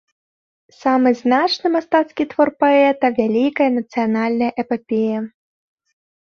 Самы значны мастацкі твор паэта, вялікая нацыянальная эпапея.